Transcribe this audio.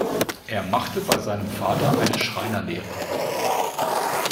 Er machte bei seinem Vater eine Schreinerlehre.